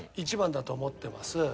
１番だと思ってます。